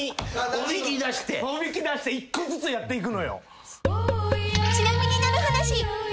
おびき出して１個ずつやっていくのよ。